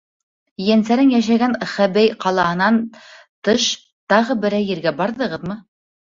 — Ейәнсәрең йәшәгән Хэбэй ҡалаһынан тыш тағы берәй ергә барҙығыҙмы?